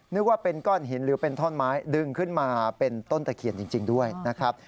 นึกว่าเป็นก้อนหินหรือเป็นท่อนไม้ดึงขึ้นมาเป็นต้นตะเขียนจริงด้วยนะครับ